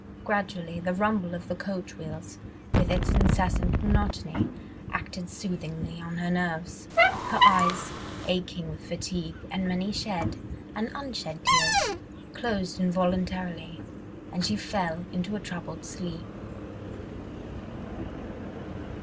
Gradually the rumble of the coach wheels, with its incessant monotony, acted soothingly on her nerves: her eyes, aching with fatigue and many shed and unshed tears, closed involuntarily, and she fell into a troubled sleep.